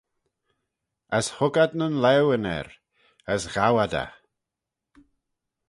As hug ad nyn laueyn er, as ghow ad eh.